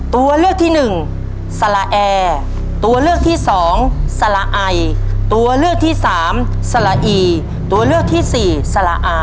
ตัวเลือกที่หนึ่งสละแอร์ตัวเลือกที่สองสละไอตัวเลือกที่สามสละอีตัวเลือกที่สี่สละอา